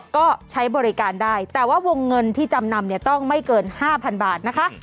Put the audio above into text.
ก็ใช้บริการได้แต่ว่าวงเงินที่จำนำเนี่ยต้องไม่เกิน๕๐๐๐บาทนะคะ